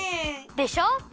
でしょ！